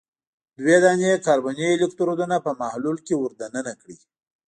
دوه دانې کاربني الکترودونه په محلول کې ور د ننه کړئ.